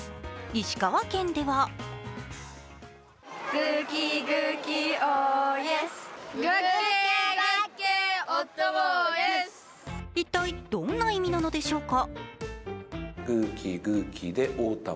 石川県では一体どんな意味なのでしょうか。